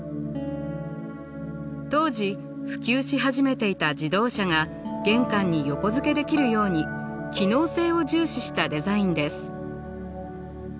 当時普及し始めていた自動車が玄関に横付けできるように機能性を重視したデザインです。